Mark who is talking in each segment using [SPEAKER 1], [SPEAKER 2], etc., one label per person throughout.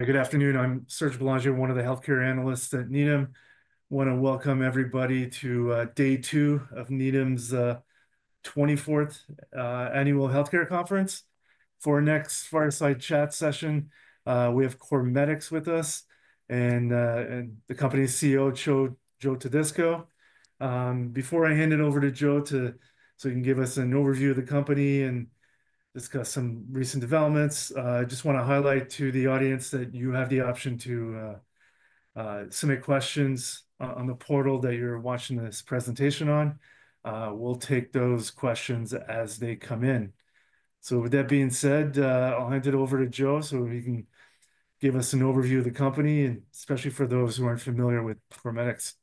[SPEAKER 1] Good afternoon. I'm Serge Belanger, one of the healthcare analysts at Needham. I want to welcome everybody to day two of Needham's 24th Annual Healthcare Conference. For our next fireside chat session, we have CorMedix with us and the company's CEO, Joe Todisco. Before I hand it over to Joe so he can give us an overview of the company and discuss some recent developments, I just want to highlight to the audience that you have the option to submit questions on the portal that you're watching this presentation on. We'll take those questions as they come in. With that being said, I'll hand it over to Joe so he can give us an overview of the company, and especially for those who aren't familiar with CorMedix.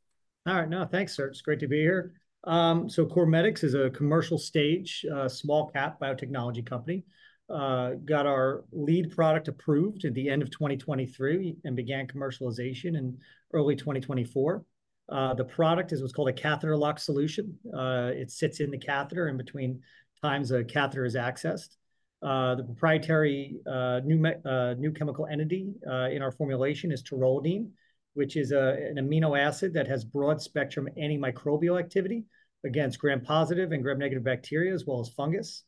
[SPEAKER 2] All right. No, thanks, Serge. It's great to be here. CorMedix is a commercial stage, small-cap biotechnology company. Got our lead product approved at the end of 2023 and began commercialization in early 2024. The product is what's called a catheter lock solution. It sits in the catheter in between times a catheter is accessed. The proprietary new chemical entity in our formulation is taurolidine, which is an amino acid that has broad-spectrum antimicrobial activity against gram-positive and gram-negative bacteria, as well as fungus.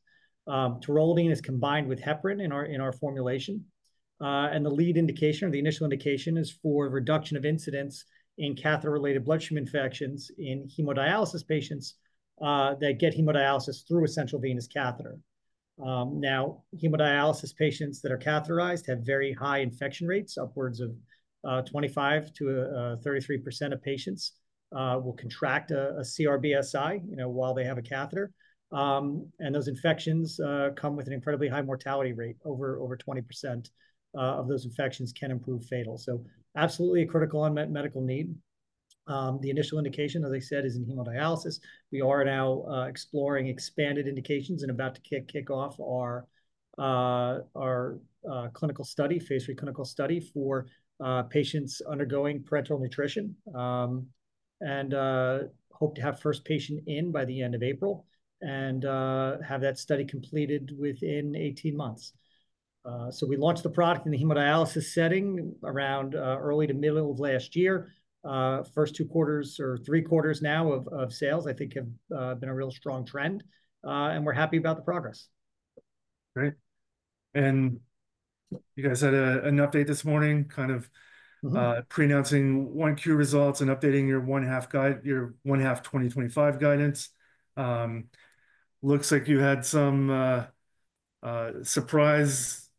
[SPEAKER 2] Taurolidine is combined with heparin in our formulation. The lead indication, or the initial indication, is for reduction of incidence in catheter-related bloodstream infections in hemodialysis patients that get hemodialysis through a central venous catheter. Now, hemodialysis patients that are catheterized have very high infection rates, upwards of 25%-33% of patients will contract a CRBSI while they have a catheter. Those infections come with an incredibly high mortality rate. Over 20% of those infections can prove fatal. Absolutely a critical unmet medical need. The initial indication, as I said, is in hemodialysis. We are now exploring expanded indications and about to kick off our clinical study, Phase 3 clinical study for patients undergoing parenteral nutrition. We hope to have first patient in by the end of April and have that study completed within 18 months. We launched the product in the hemodialysis setting around early to middle of last year. First two quarters or three quarters now of sales, I think, have been a real strong trend. We are happy about the progress.
[SPEAKER 1] Great. You guys had an update this morning, kind of pre-announcing Q1 results and updating your first half 2025 guidance. Looks like you had some surprise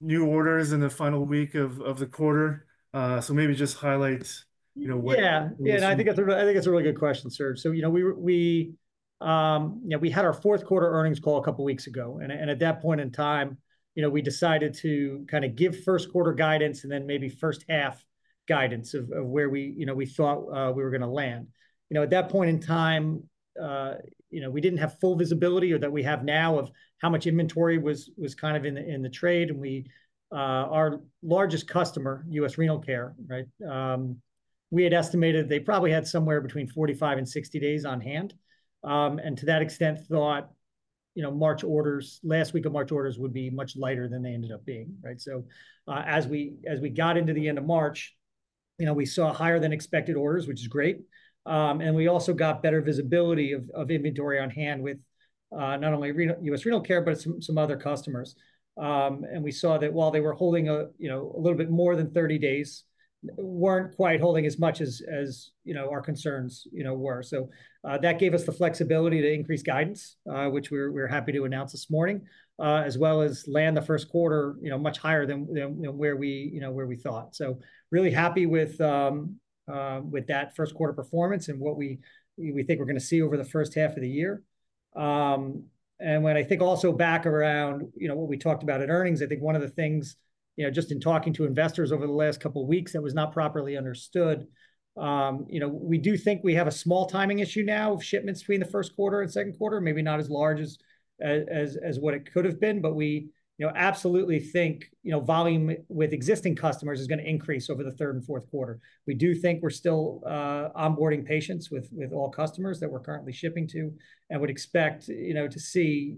[SPEAKER 1] new orders in the final week of the quarter. Maybe just highlight what.
[SPEAKER 2] Yeah. Yeah. I think it's a really good question, Serge. We had our fourth quarter earnings call a couple of weeks ago. At that point in time, we decided to kind of give first quarter guidance and then maybe first half guidance of where we thought we were going to land. At that point in time, we didn't have full visibility or that we have now of how much inventory was kind of in the trade. Our largest customer, U.S. Renal Care, we had estimated they probably had somewhere between 45-60 days on hand. To that extent, thought last week of March orders would be much lighter than they ended up being. As we got into the end of March, we saw higher than expected orders, which is great. We also got better visibility of inventory on hand with not only U.S. Renal Care, but some other customers. We saw that while they were holding a little bit more than 30 days, they were not quite holding as much as our concerns were. That gave us the flexibility to increase guidance, which we are happy to announce this morning, as well as land the first quarter much higher than where we thought. We are really happy with that first quarter performance and what we think we are going to see over the first half of the year. When I think also back around what we talked about in earnings, I think one of the things just in talking to investors over the last couple of weeks that was not properly understood, we do think we have a small timing issue now of shipments between the first quarter and second quarter, maybe not as large as what it could have been. We absolutely think volume with existing customers is going to increase over the third and fourth quarter. We do think we're still onboarding patients with all customers that we're currently shipping to and would expect to see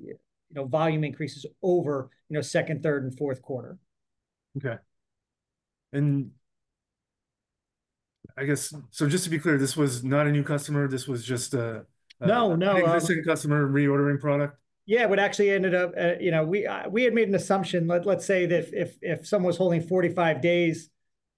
[SPEAKER 2] volume increases over second, third, and fourth quarter.
[SPEAKER 1] Okay. I guess, just to be clear, this was not a new customer. This was just an existing customer reordering product?
[SPEAKER 2] Yeah, it actually ended up we had made an assumption. Let's say that if someone was holding 45 days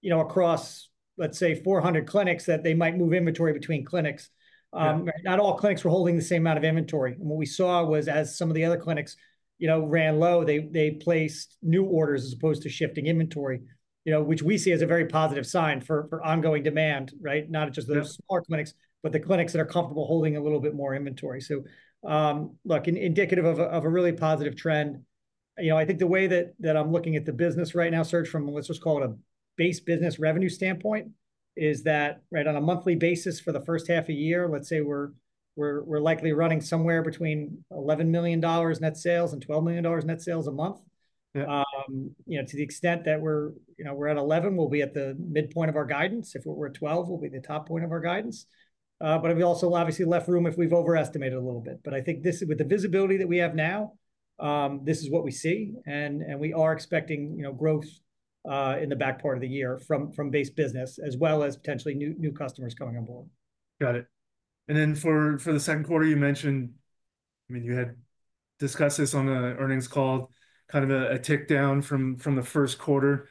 [SPEAKER 2] across, let's say, 400 clinics, that they might move inventory between clinics. Not all clinics were holding the same amount of inventory. What we saw was as some of the other clinics ran low, they placed new orders as opposed to shifting inventory, which we see as a very positive sign for ongoing demand, not just those smaller clinics, but the clinics that are comfortable holding a little bit more inventory. Look, indicative of a really positive trend. I think the way that I'm looking at the business right now, Serge, from what's called a base business revenue standpoint, is that on a monthly basis for the first half of the year, let's say we're likely running somewhere between $11 million net sales and $12 million net sales a month. To the extent that we're at 11, we'll be at the midpoint of our guidance. If we're at 12, we'll be at the top point of our guidance. We also obviously left room if we've overestimated a little bit. I think with the visibility that we have now, this is what we see. We are expecting growth in the back part of the year from base business, as well as potentially new customers coming on board.
[SPEAKER 1] Got it. For the second quarter, you mentioned, I mean, you had discussed this on the earnings call, kind of a tick down from the first quarter,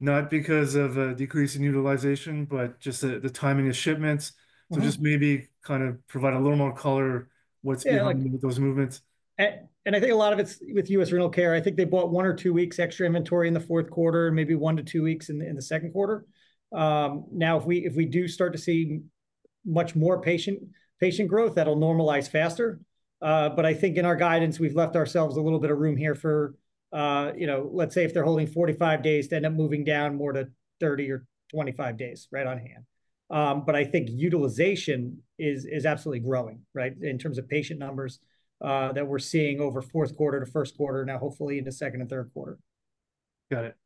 [SPEAKER 1] not because of a decrease in utilization, but just the timing of shipments. Just maybe kind of provide a little more color what's behind those movements.
[SPEAKER 2] I think a lot of it's with U.S. Renal Care. I think they bought one or two weeks extra inventory in the fourth quarter, maybe one to two weeks in the second quarter. If we do start to see much more patient growth, that'll normalize faster. I think in our guidance, we've left ourselves a little bit of room here for, let's say, if they're holding 45 days, to end up moving down more to 30 or 25 days right on hand. I think utilization is absolutely growing in terms of patient numbers that we're seeing over fourth quarter to first quarter, now hopefully into second and third quarter.
[SPEAKER 1] Got it.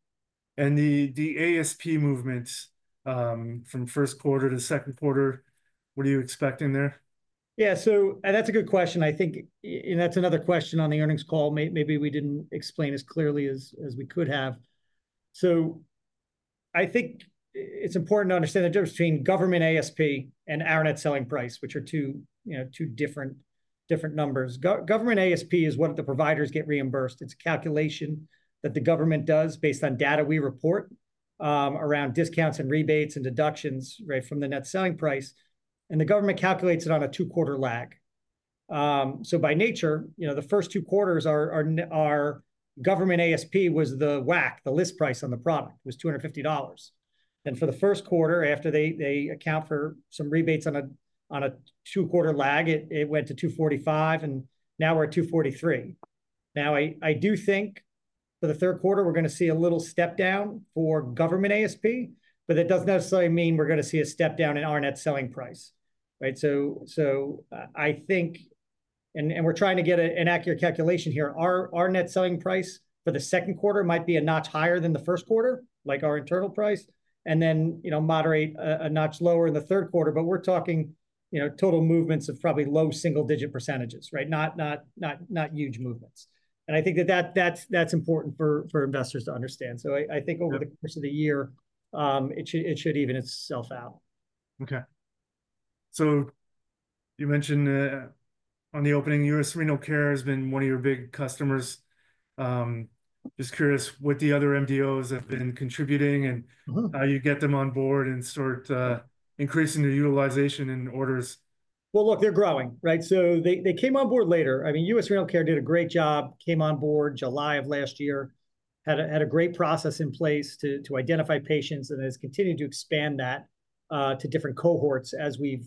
[SPEAKER 1] The ASP movements from first quarter to second quarter, what are you expecting there?
[SPEAKER 2] Yeah. That's a good question. I think that's another question on the earnings call. Maybe we didn't explain as clearly as we could have. I think it's important to understand the difference between government ASP and our net selling price, which are two different numbers. Government ASP is what the providers get reimbursed. It's a calculation that the government does based on data we report around discounts and rebates and deductions from the net selling price. The government calculates it on a two-quarter lag. By nature, the first two quarters our government ASP was the WAC, the list price on the product was $250. For the first quarter, after they account for some rebates on a two-quarter lag, it went to $245, and now we're at $243. Now, I do think for the third quarter, we're going to see a little step down for government ASP, but that doesn't necessarily mean we're going to see a step down in our net selling price. I think, and we're trying to get an accurate calculation here, our net selling price for the second quarter might be a notch higher than the first quarter, like our internal price, and then moderate a notch lower in the third quarter. We're talking total movements of probably low single-digit percentage, not huge movements. I think that that's important for investors to understand. I think over the course of the year, it should even itself out.
[SPEAKER 1] Okay. You mentioned on the opening, U.S. Renal Care has been one of your big customers. Just curious what the other MDOs have been contributing and how you get them on board and start increasing the utilization in orders.
[SPEAKER 2] Look, they're growing. They came on board later. I mean, U.S. Renal Care did a great job, came on board July of last year, had a great process in place to identify patients, and has continued to expand that to different cohorts as we've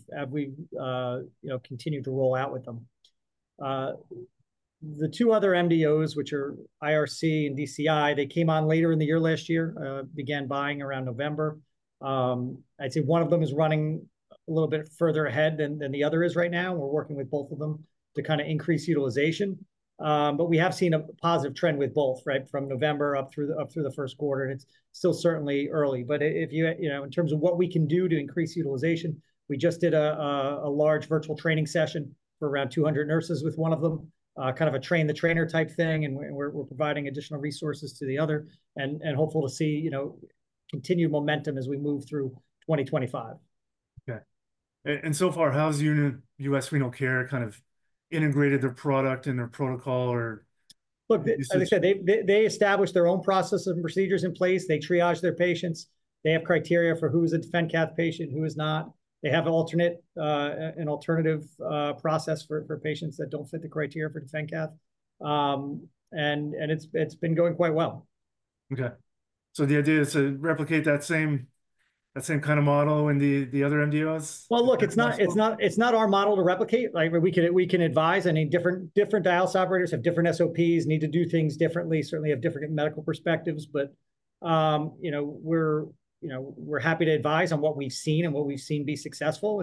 [SPEAKER 2] continued to roll out with them. The two other MDOs, which are IRC and DCI, they came on later in the year last year, began buying around November. I'd say one of them is running a little bit further ahead than the other is right now. We're working with both of them to kind of increase utilization. We have seen a positive trend with both from November up through the first quarter. It's still certainly early. In terms of what we can do to increase utilization, we just did a large virtual training session for around 200 nurses with one of them, kind of a train-the-trainer type thing. We are providing additional resources to the other and hopeful to see continued momentum as we move through 2025.
[SPEAKER 1] Okay. So far, how has U.S. Renal Care kind of integrated their product and their protocol?
[SPEAKER 2] Look, as I said, they established their own processes and procedures in place. They triage their patients. They have criteria for who is a DefenCath patient, who is not. They have an alternative process for patients that don't fit the criteria for DefenCath. It's been going quite well.
[SPEAKER 1] Okay. The idea is to replicate that same kind of model in the other MDOs?
[SPEAKER 2] It is not our model to replicate. We can advise. I mean, different dialysis operators have different SOPs, need to do things differently, certainly have different medical perspectives. We are happy to advise on what we have seen and what we have seen be successful.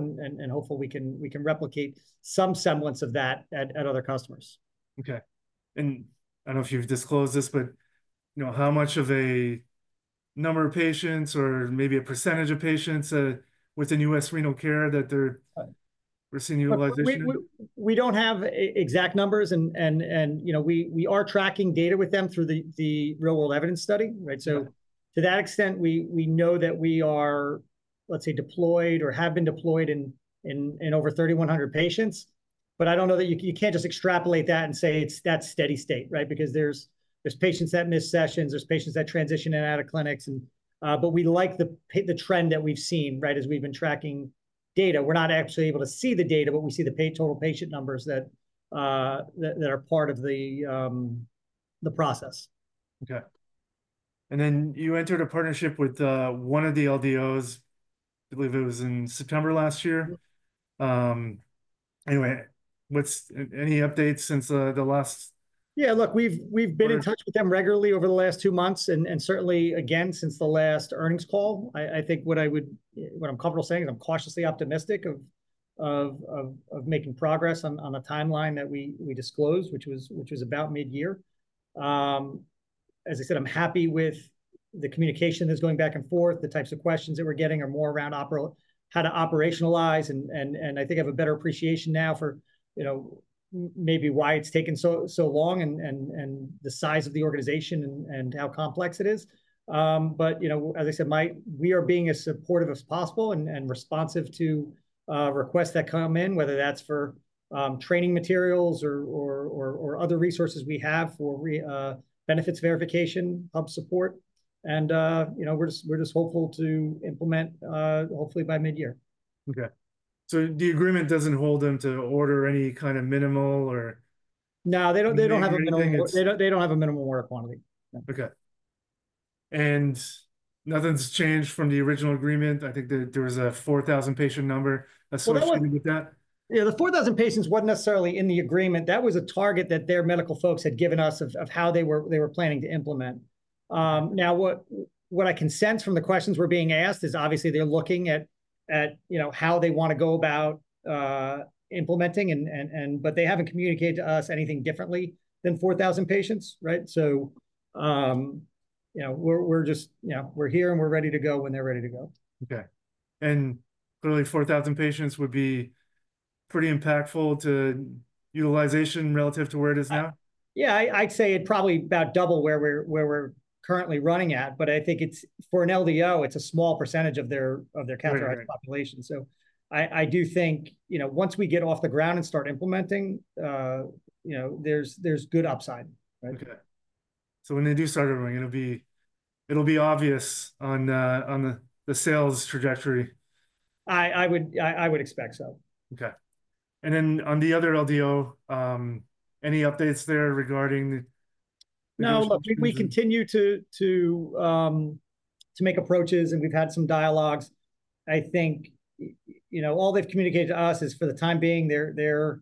[SPEAKER 2] Hopefully, we can replicate some semblance of that at other customers.
[SPEAKER 1] Okay. I do not know if you have disclosed this, but how much of a number of patients or maybe a percentage of patients within U.S. Renal Care that they are seeing utilization?
[SPEAKER 2] We don't have exact numbers. We are tracking data with them through the real-world evidence study. To that extent, we know that we are, let's say, deployed or have been deployed in over 3,100 patients. I don't know that you can't just extrapolate that and say it's that steady state, because there's patients that miss sessions, there's patients that transition in and out of clinics. We like the trend that we've seen as we've been tracking data. We're not actually able to see the data, but we see the total patient numbers that are part of the process.
[SPEAKER 1] Okay. You entered a partnership with one of the LDOs. I believe it was in September last year. Anyway, any updates since the last?
[SPEAKER 2] Yeah. Look, we've been in touch with them regularly over the last two months. Certainly, again, since the last earnings call, I think what I'm comfortable saying is I'm cautiously optimistic of making progress on the timeline that we disclosed, which was about mid-year. As I said, I'm happy with the communication that's going back and forth. The types of questions that we're getting are more around how to operationalize. I think I have a better appreciation now for maybe why it's taken so long and the size of the organization and how complex it is. As I said, we are being as supportive as possible and responsive to requests that come in, whether that's for training materials or other resources we have for benefits verification, hub support. We're just hopeful to implement hopefully by mid-year.
[SPEAKER 1] Okay. The agreement doesn't hold them to order any kind of minimal or?
[SPEAKER 2] No, they don't have a minimal. They don't have a minimal order quantity.
[SPEAKER 1] Okay. Nothing's changed from the original agreement. I think there was a 4,000 patient number. That's what I was thinking with that.
[SPEAKER 2] Yeah. The 4,000 patients was not necessarily in the agreement. That was a target that their medical folks had given us of how they were planning to implement. Now, what I can sense from the questions we are being asked is obviously they are looking at how they want to go about implementing. They have not communicated to us anything differently than 4,000 patients. We are here and we are ready to go when they are ready to go.
[SPEAKER 1] Okay. Clearly, 4,000 patients would be pretty impactful to utilization relative to where it is now?
[SPEAKER 2] Yeah. I'd say it's probably about double where we're currently running at. I think for an LDO, it's a small percentage of their categorized population. I do think once we get off the ground and start implementing, there's good upside.
[SPEAKER 1] Okay. When they do start everything, it'll be obvious on the sales trajectory.
[SPEAKER 2] I would expect so.
[SPEAKER 1] Okay. On the other LDO, any updates there regarding?
[SPEAKER 2] No. Look, we continue to make approaches, and we've had some dialogues. I think all they've communicated to us is for the time being, they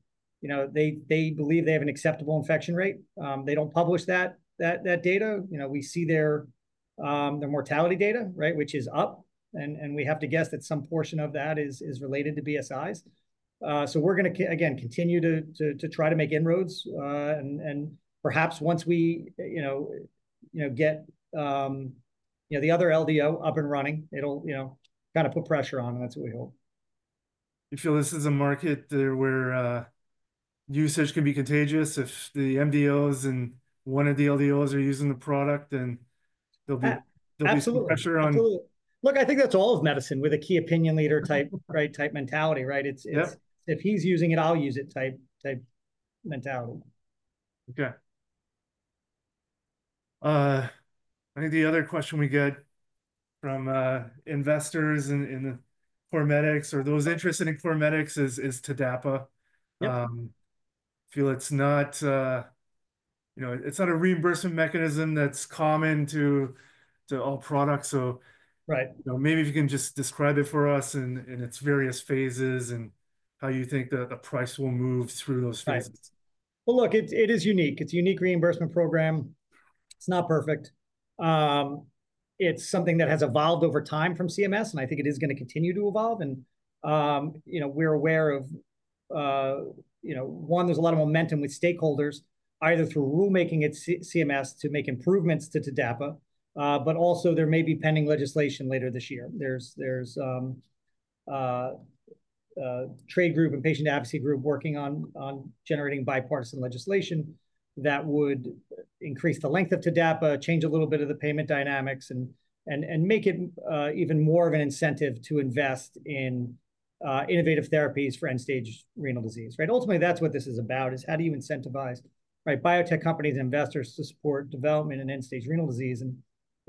[SPEAKER 2] believe they have an acceptable infection rate. They don't publish that data. We see their mortality data, which is up. We have to guess that some portion of that is related to BSIs. We are going to, again, continue to try to make inroads. Perhaps once we get the other LDO up and running, it'll kind of put pressure on them. That's what we hope.
[SPEAKER 1] You feel this is a market where usage can be contagious if the MDOs and one of the LDOs are using the product, and there'll be pressure on?
[SPEAKER 2] Absolutely. Look, I think that's all of medicine with a key opinion leader type mentality. If he's using it, I'll use it type mentality.
[SPEAKER 1] Okay. I think the other question we get from investors in CorMedix or those interested in CorMedix is TDAPA. I feel it's not a reimbursement mechanism that's common to all products. Maybe if you can just describe it for us in its various phases and how you think the price will move through those phases.
[SPEAKER 2] Look, it is unique. It's a unique reimbursement program. It's not perfect. It's something that has evolved over time from CMS. I think it is going to continue to evolve. We're aware of, one, there's a lot of momentum with stakeholders, either through rulemaking at CMS to make improvements to TDAPA, but also there may be pending legislation later this year. There's a trade group and patient advocacy group working on generating bipartisan legislation that would increase the length of TDAPA, change a little bit of the payment dynamics, and make it even more of an incentive to invest in innovative therapies for end-stage renal disease. Ultimately, that's what this is about, is how do you incentivize biotech companies and investors to support development in end-stage renal disease.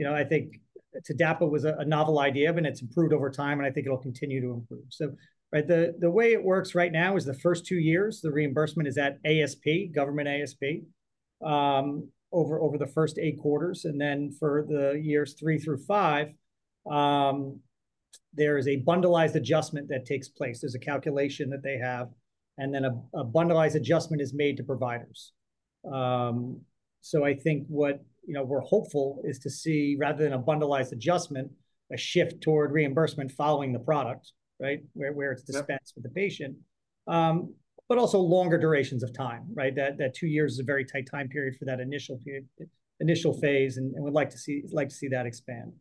[SPEAKER 2] I think TDAPA was a novel idea, and it's improved over time, and I think it'll continue to improve. The way it works right now is the first two years, the reimbursement is at ASP, government ASP, over the first eight quarters. For years three through five, there is a bundled adjustment that takes place. There's a calculation that they have, and then a bundled adjustment is made to providers. I think what we're hopeful is to see, rather than a bundled adjustment, a shift toward reimbursement following the product, where it's dispensed with the patient, but also longer durations of time. That two years is a very tight time period for that initial phase, and we'd like to see that expand.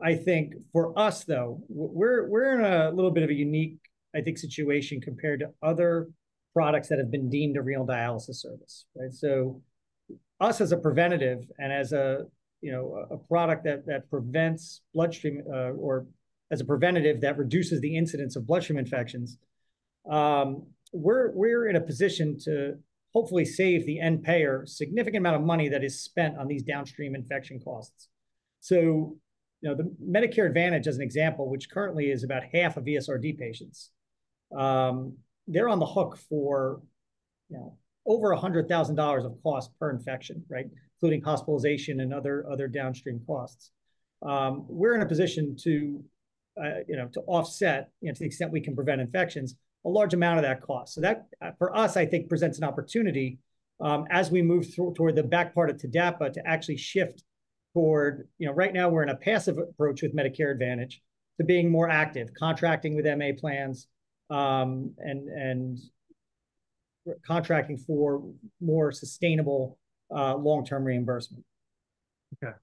[SPEAKER 2] I think for us, though, we're in a little bit of a unique, I think, situation compared to other products that have been deemed a renal dialysis service. Us as a preventative and as a product that prevents bloodstream or as a preventative that reduces the incidence of bloodstream infections, we're in a position to hopefully save the end payer a significant amount of money that is spent on these downstream infection costs. The Medicare Advantage, as an example, which currently is about half of ESRD patients, they're on the hook for over $100,000 of cost per infection, including hospitalization and other downstream costs. We're in a position to offset to the extent we can prevent infections, a large amount of that cost. That, for us, I think, presents an opportunity as we move toward the back part of TDAPA to actually shift toward right now, we're in a passive approach with Medicare Advantage to being more active, contracting with MA plans and contracting for more sustainable long-term reimbursement.
[SPEAKER 1] Okay.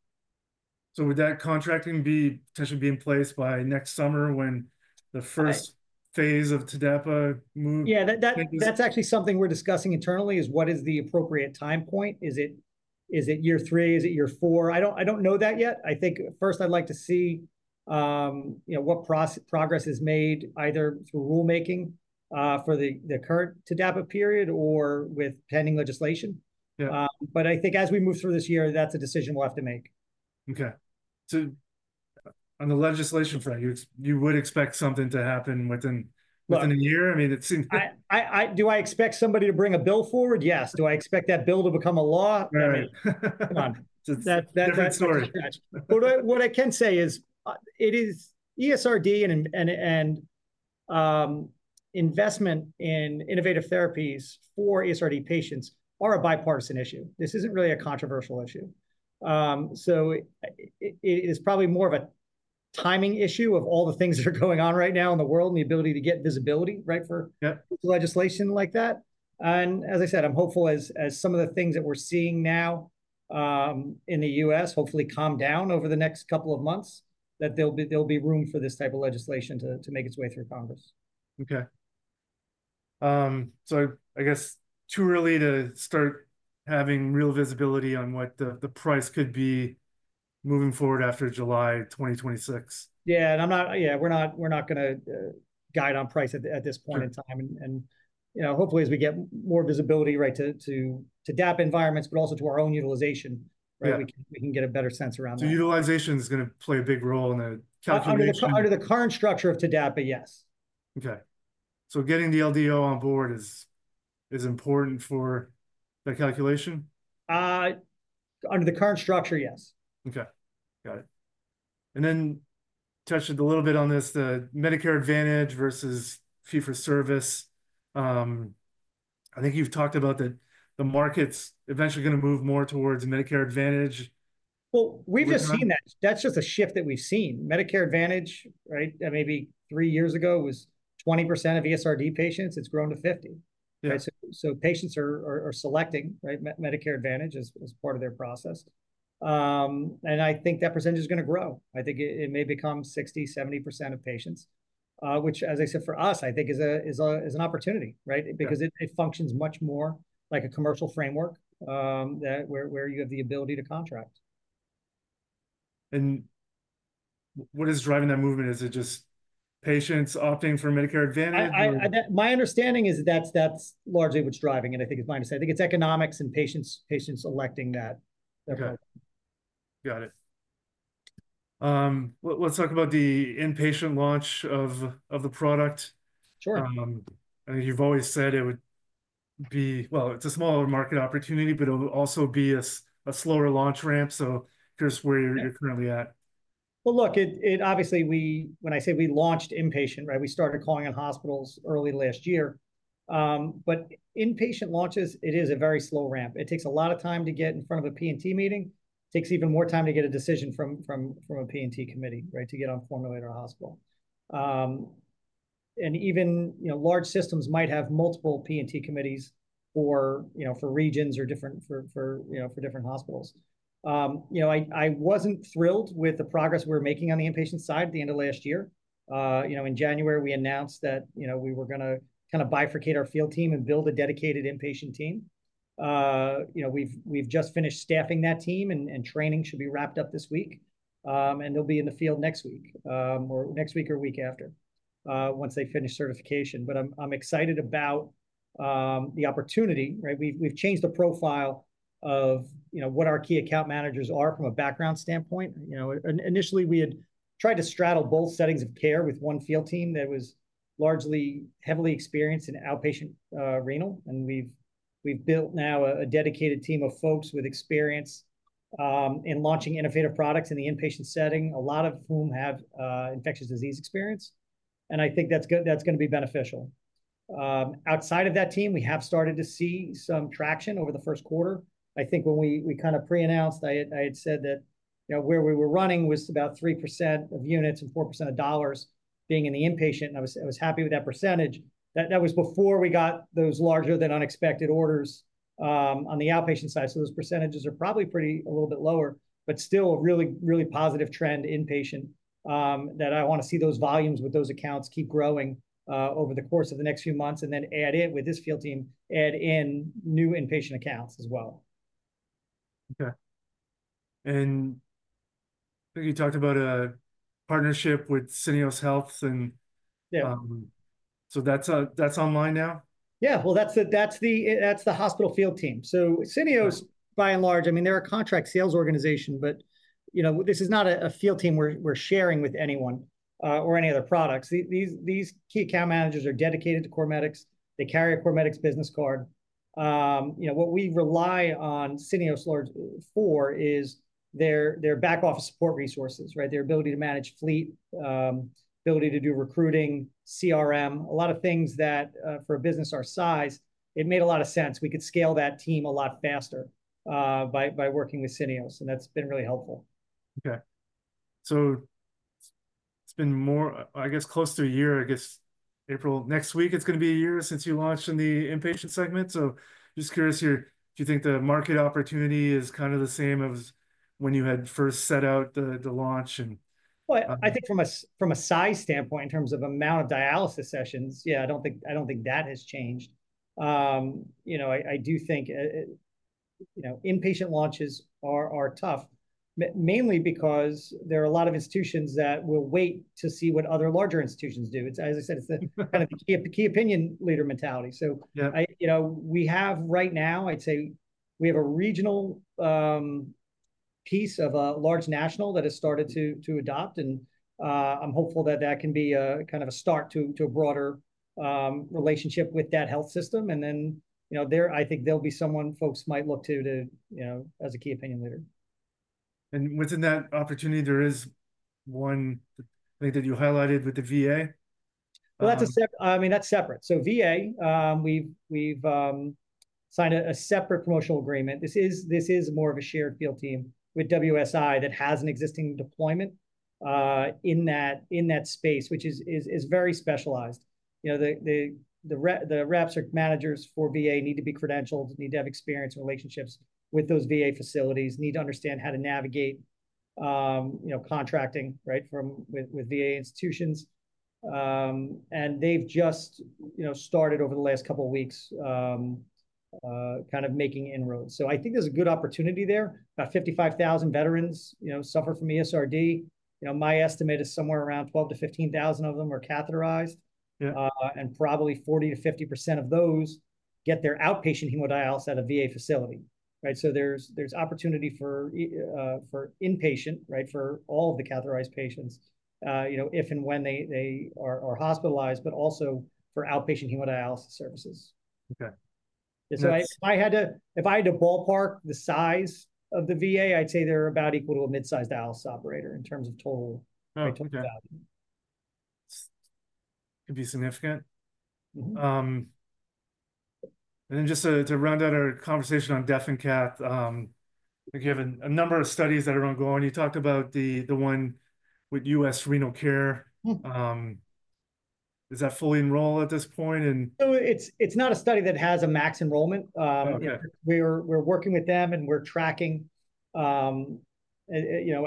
[SPEAKER 1] Would that contracting potentially be in place by next summer when the first phase of TDAPA moves?
[SPEAKER 2] Yeah. That's actually something we're discussing internally, is what is the appropriate time point? Is it year three? Is it year four? I don't know that yet. I think first, I'd like to see what progress is made, either through rulemaking for the current TDAPA period or with pending legislation. I think as we move through this year, that's a decision we'll have to make.
[SPEAKER 1] Okay. On the legislation front, you would expect something to happen within a year? I mean, it seems.
[SPEAKER 2] Do I expect somebody to bring a bill forward? Yes. Do I expect that bill to become a law? I mean, come on.
[SPEAKER 1] That's a different story.
[SPEAKER 2] What I can say is ESRD and investment in innovative therapies for ESRD patients are a bipartisan issue. This is not really a controversial issue. It is probably more of a timing issue of all the things that are going on right now in the world and the ability to get visibility for legislation like that. As I said, I am hopeful as some of the things that we are seeing now in the U.S. hopefully calm down over the next couple of months, that there will be room for this type of legislation to make its way through Congress.
[SPEAKER 1] Okay. I guess too early to start having real visibility on what the price could be moving forward after July 2026.
[SPEAKER 2] Yeah. We're not going to guide on price at this point in time. Hopefully, as we get more visibility to TDAPA environments, but also to our own utilization, we can get a better sense around that.
[SPEAKER 1] Utilization is going to play a big role in the calculation?
[SPEAKER 2] Under the current structure of TDAPA, yes.
[SPEAKER 1] Okay. So getting the LDO on board is important for the calculation?
[SPEAKER 2] Under the current structure, yes.
[SPEAKER 1] Okay. Got it. You touched a little bit on this, the Medicare Advantage versus fee for service. I think you've talked about that the market's eventually going to move more towards Medicare Advantage.
[SPEAKER 2] We've just seen that. That's just a shift that we've seen. Medicare Advantage, maybe three years ago, was 20% of ESRD patients. It's grown to 50%. Patients are selecting Medicare Advantage as part of their process. I think that percentage is going to grow. I think it may become 60%-70% of patients, which, as I said, for us, I think is an opportunity because it functions much more like a commercial framework where you have the ability to contract.
[SPEAKER 1] What is driving that movement? Is it just patients opting for Medicare Advantage?
[SPEAKER 2] My understanding is that that's largely what's driving. I think it's my understanding. I think it's economics and patients electing that.
[SPEAKER 1] Okay. Got it. Let's talk about the inpatient launch of the product. I think you've always said it would be, you know, it's a smaller market opportunity, but it'll also be a slower launch ramp. Here's where you're currently at.
[SPEAKER 2] Obviously, when I say we launched inpatient, we started calling on hospitals early last year. Inpatient launches, it is a very slow ramp. It takes a lot of time to get in front of a P&T meeting. It takes even more time to get a decision from a P&T committee to get on formulated on a hospital. Even large systems might have multiple P&T committees for regions or for different hospitals. I wasn't thrilled with the progress we were making on the inpatient side at the end of last year. In January, we announced that we were going to kind of bifurcate our field team and build a dedicated inpatient team. We've just finished staffing that team, and training should be wrapped up this week. They'll be in the field next week or next week or week after once they finish certification. I'm excited about the opportunity. We've changed the profile of what our key account managers are from a background standpoint. Initially, we had tried to straddle both settings of care with one field team that was heavily experienced in outpatient renal. We've built now a dedicated team of folks with experience in launching innovative products in the inpatient setting, a lot of whom have infectious disease experience. I think that's going to be beneficial. Outside of that team, we have started to see some traction over the first quarter. I think when we kind of pre-announced, I had said that where we were running was about 3% of units and 4% of dollars being in the inpatient. I was happy with that percentage. That was before we got those larger-than-unexpected orders on the outpatient side. Those percentages are probably a little bit lower, but still a really, really positive trend inpatient that I want to see those volumes with those accounts keep growing over the course of the next few months and then add in with this field team, add in new inpatient accounts as well.
[SPEAKER 1] Okay. You talked about a partnership with Syneos Health. That is online now?
[SPEAKER 2] Yeah. That is the hospital field team. Syneos, by and large, I mean, they are a contract sales organization, but this is not a field team we are sharing with anyone or any other products. These key account managers are dedicated to CorMedix. They carry a CorMedix business card. What we rely on Syneos for is their back-office support resources, their ability to manage fleet, ability to do recruiting, CRM, a lot of things that for a business our size, it made a lot of sense. We could scale that team a lot faster by working with Syneos. That has been really helpful.
[SPEAKER 1] Okay. It's been more, I guess, close to a year, I guess, April. Next week, it's going to be a year since you launched in the inpatient segment. I'm just curious here, do you think the market opportunity is kind of the same as when you had first set out the launch?
[SPEAKER 2] I think from a size standpoint, in terms of amount of dialysis sessions, yeah, I don't think that has changed. I do think inpatient launches are tough, mainly because there are a lot of institutions that will wait to see what other larger institutions do. As I said, it's kind of the key opinion leader mentality. We have right now, I'd say we have a regional piece of a large national that has started to adopt. I'm hopeful that that can be kind of a start to a broader relationship with that health system. I think there will be someone folks might look to as a key opinion leader.
[SPEAKER 1] Within that opportunity, there is one thing that you highlighted with the VA?
[SPEAKER 2] I mean, that's separate. VA, we've signed a separate promotional agreement. This is more of a shared field team with WSI that has an existing deployment in that space, which is very specialized. The reps or managers for VA need to be credentialed, need to have experience and relationships with those VA facilities, need to understand how to navigate contracting with VA institutions. They've just started over the last couple of weeks making inroads. I think there's a good opportunity there. About 55,000 veterans suffer from ESRD. My estimate is somewhere around 12,000-15,000 of them are catheterized. Probably 40%-50% of those get their outpatient hemodialysis at a VA facility. There's opportunity for inpatient, for all of the catheterized patients, if and when they are hospitalized, but also for outpatient hemodialysis services.
[SPEAKER 1] Okay.
[SPEAKER 2] If I had to ballpark the size of the VA, I'd say they're about equal to a mid-sized dialysis operator in terms of total value.
[SPEAKER 1] It'd be significant. Just to round out our conversation on DefenCath, I think you have a number of studies that are ongoing. You talked about the one with U.S. Renal Care. Is that fully enrolled at this point?
[SPEAKER 2] It is not a study that has a max enrollment. We're working with them, and we're tracking I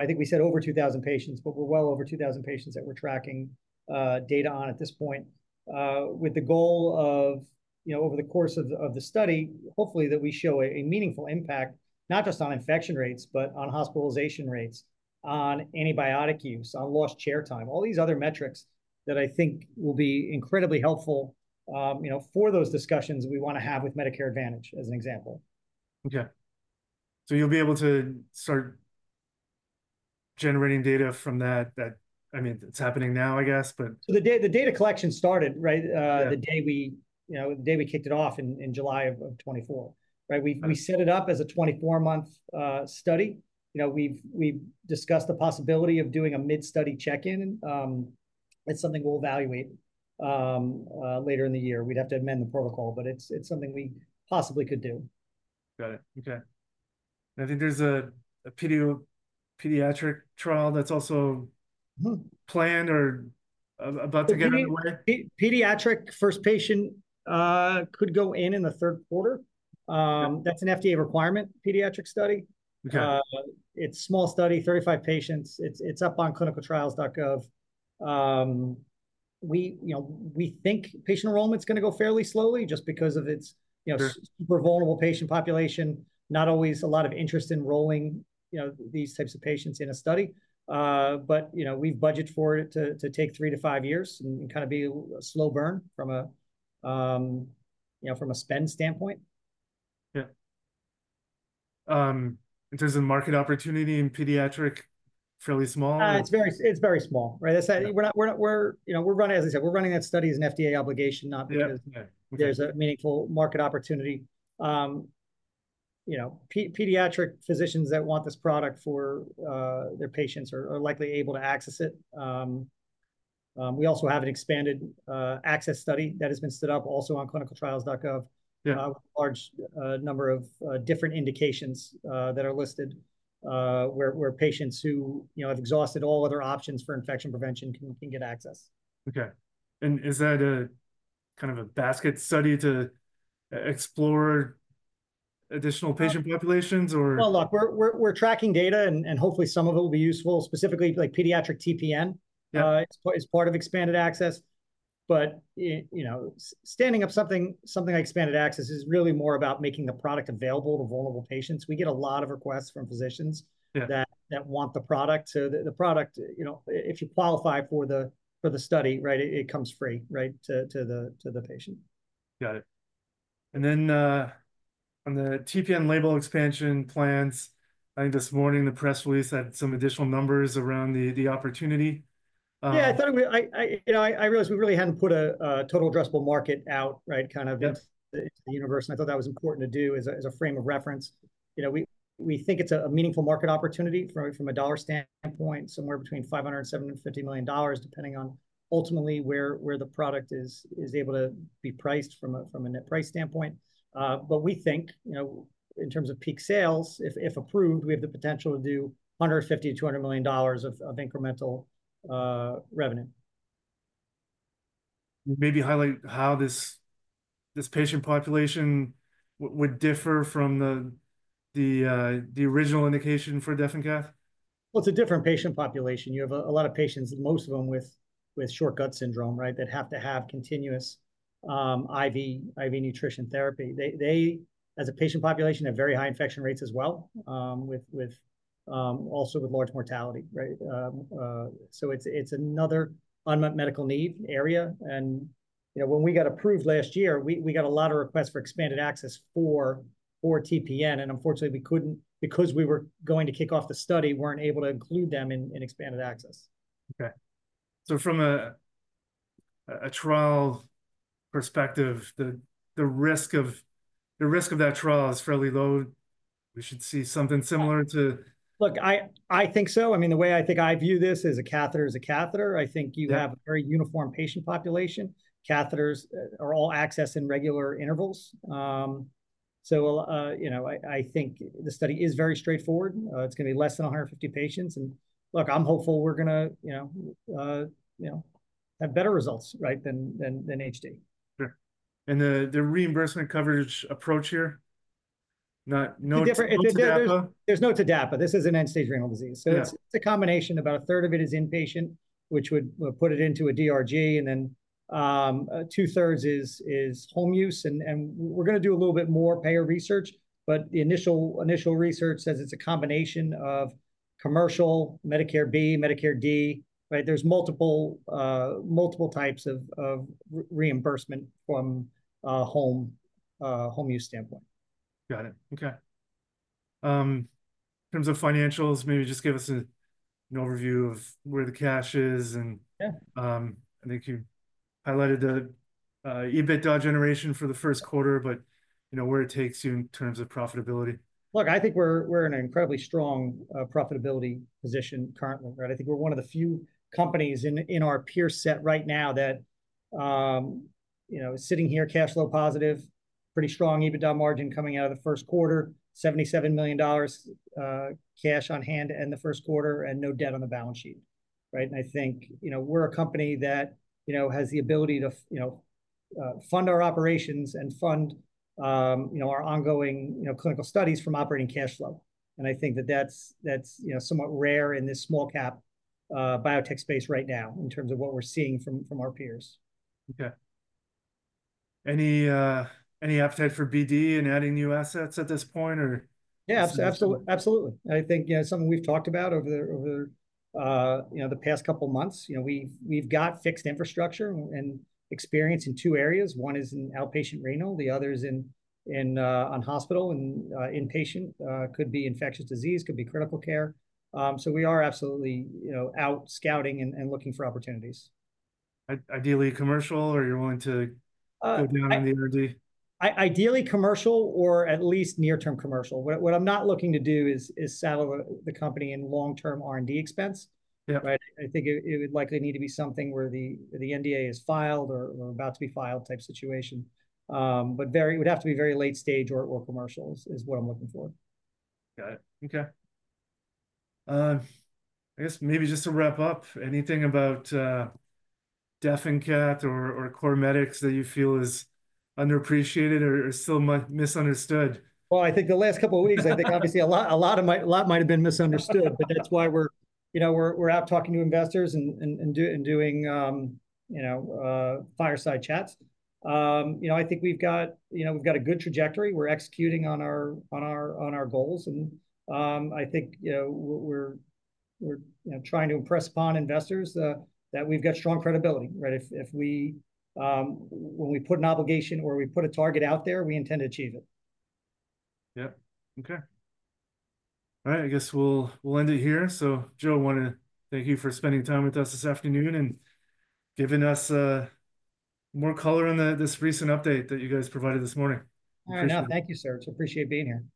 [SPEAKER 2] think we said over 2,000 patients, but we're well over 2,000 patients that we're tracking data on at this point with the goal of, over the course of the study, hopefully, that we show a meaningful impact, not just on infection rates, but on hospitalization rates, on antibiotic use, on lost chair time, all these other metrics that I think will be incredibly helpful for those discussions we want to have with Medicare Advantage as an example.
[SPEAKER 1] Okay. You'll be able to start generating data from that. I mean, it's happening now, I guess, but.
[SPEAKER 2] The data collection started the day we kicked it off in July of 2024. We set it up as a 24-month study. We've discussed the possibility of doing a mid-study check-in. It's something we'll evaluate later in the year. We'd have to amend the protocol, but it's something we possibly could do.
[SPEAKER 1] Got it. Okay. I think there's a pediatric trial that's also planned or about to get underway.
[SPEAKER 2] Pediatric first patient could go in in the third quarter. That's an FDA requirement pediatric study. It's a small study, 35 patients. It's up on ClinicalTrials.gov. We think patient enrollment's going to go fairly slowly just because of its super vulnerable patient population, not always a lot of interest in rolling these types of patients in a study. We've budgeted for it to take three to five years and kind of be a slow burn from a spend standpoint.
[SPEAKER 1] Yeah. In terms of market opportunity in pediatric, fairly small?
[SPEAKER 2] It's very small. We're running, as I said, we're running that study as an FDA obligation, not because there's a meaningful market opportunity. Pediatric physicians that want this product for their patients are likely able to access it. We also have an expanded access study that has been stood up also on ClinicalTrials.gov with a large number of different indications that are listed where patients who have exhausted all other options for infection prevention can get access.
[SPEAKER 1] Is that kind of a basket study to explore additional patient populations or?
[SPEAKER 2] Look, we're tracking data, and hopefully, some of it will be useful, specifically pediatric TPN as part of expanded access. Standing up something like expanded access is really more about making the product available to vulnerable patients. We get a lot of requests from physicians that want the product. The product, if you qualify for the study, comes free to the patient.
[SPEAKER 1] Got it. On the TPN label expansion plans, I think this morning, the press release had some additional numbers around the opportunity.
[SPEAKER 2] Yeah. I realized we really hadn't put a total addressable market out kind of into the universe. I thought that was important to do as a frame of reference. We think it's a meaningful market opportunity from a dollar standpoint, somewhere between $500 million and $750 million, depending on ultimately where the product is able to be priced from a net price standpoint. We think in terms of peak sales, if approved, we have the potential to do $150 million to $200 million of incremental revenue.
[SPEAKER 1] Maybe highlight how this patient population would differ from the original indication for DefenCath?
[SPEAKER 2] It's a different patient population. You have a lot of patients, most of them with short gut syndrome that have to have continuous IV nutrition therapy. They, as a patient population, have very high infection rates as well, also with large mortality. It is another unmet medical need area. When we got approved last year, we got a lot of requests for expanded access for TPN. Unfortunately, because we were going to kick off the study, we were not able to include them in expanded access.
[SPEAKER 1] Okay. From a trial perspective, the risk of that trial is fairly low. We should see something similar to.
[SPEAKER 2] Look, I think so. I mean, the way I think I view this is a catheter is a catheter. I think you have a very uniform patient population. Catheters are all accessed in regular intervals. I think the study is very straightforward. It's going to be less than 150 patients. Look, I'm hopeful we're going to have better results than HD.
[SPEAKER 1] Sure. The reimbursement coverage approach here?
[SPEAKER 2] There's no TDAPA. This is an end-stage renal disease. It's a combination. About a third of it is inpatient, which would put it into a DRG. Two-thirds is home use. We're going to do a little bit more payer research. The initial research says it's a combination of commercial, Medicare B, Medicare D. There are multiple types of reimbursement from a home use standpoint.
[SPEAKER 1] Got it. Okay. In terms of financials, maybe just give us an overview of where the cash is. And I think you highlighted the EBITDA generation for the first quarter, but where it takes you in terms of profitability.
[SPEAKER 2] Look, I think we're in an incredibly strong profitability position currently. I think we're one of the few companies in our peer set right now that is sitting here, cash flow positive, pretty strong EBITDA margin coming out of the first quarter, $77 million cash on hand to end the first quarter, and no debt on the balance sheet. I think we're a company that has the ability to fund our operations and fund our ongoing clinical studies from operating cash flow. I think that that's somewhat rare in this small-cap biotech space right now in terms of what we're seeing from our peers.
[SPEAKER 1] Okay. Any appetite for BD and adding new assets at this point or?
[SPEAKER 2] Yeah, absolutely. I think something we've talked about over the past couple of months. We've got fixed infrastructure and experience in two areas. One is in outpatient renal. The other is on hospital and inpatient. Could be infectious disease, could be critical care. We are absolutely out scouting and looking for opportunities.
[SPEAKER 1] Ideally commercial or you're willing to go down on the R&D?
[SPEAKER 2] Ideally commercial or at least near-term commercial. What I'm not looking to do is saddle the company in long-term R&D expense. I think it would likely need to be something where the NDA is filed or about to be filed type situation. It would have to be very late stage or commercial is what I'm looking for.
[SPEAKER 1] Got it. Okay. I guess maybe just to wrap up, anything about DefenCath or CorMedix that you feel is underappreciated or still misunderstood?
[SPEAKER 2] I think the last couple of weeks, I think obviously a lot might have been misunderstood, but that's why we're out talking to investors and doing fireside chats. I think we've got a good trajectory. We're executing on our goals. I think we're trying to impress upon investors that we've got strong credibility. If when we put an obligation or we put a target out there, we intend to achieve it.
[SPEAKER 1] Yep. Okay. All right. I guess we'll end it here. Joe, I want to thank you for spending time with us this afternoon and giving us more color on this recent update that you guys provided this morning.
[SPEAKER 2] I know. Thank you, sir. Appreciate being here.